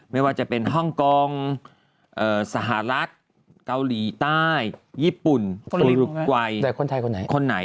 ไม่ว่าจะเป็นฮ่องกองสหรัฐเกาหลีใต้ญี่ปุ่นธุรกัยคนไหน